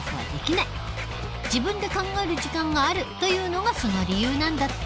自分で考える時間があるというのがその理由なんだって。